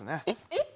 えっ？